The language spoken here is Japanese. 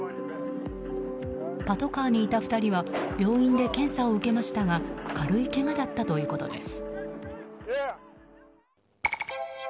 パトカーにいた２人は病院で検査を受けましたが軽いけがだったということです。